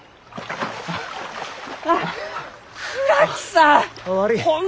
あ倉木さん！